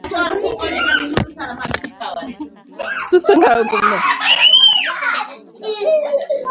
ازادي راډیو د اقتصاد د ستونزو حل لارې سپارښتنې کړي.